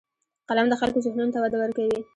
قلم د خلکو ذهنونو ته وده ورکوي